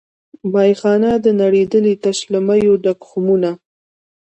میخانه ده نړېدلې تش له میو ډک خُمونه